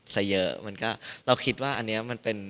ซะเยอะมันก็เราคิดว่าอันนี้มันเป็น